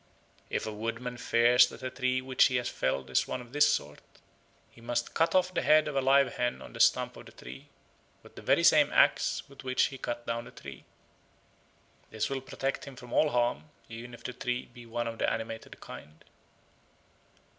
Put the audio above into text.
If a woodman fears that a tree which he has felled is one of this sort, he must cut off the head of a live hen on the stump of the tree with the very same axe with which he cut down the tree. This will protect him from all harm, even if the tree be one of the animated kind.